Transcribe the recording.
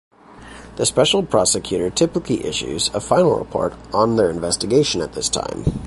The special prosecutor typically issues a final report on their investigation at this time.